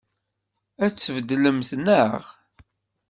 Ad t-tbeddlemt, naɣ?